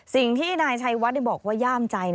สิ่งที่นายชัยวัดบอกว่าย่ามใจ